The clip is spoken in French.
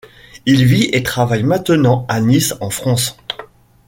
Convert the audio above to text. Il vit et travaille maintenant à Nice en France.